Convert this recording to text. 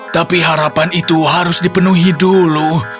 tapi harapan itu harus dipenuhi dulu